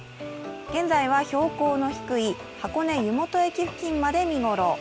現在は標高の低い箱根湯本駅付近まで見頃。